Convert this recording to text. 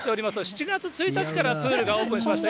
７月１日からプールがオープンしました。